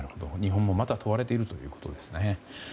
日本もまた問われているということですね。